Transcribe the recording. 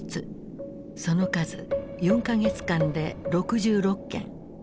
その数４か月間で６６件。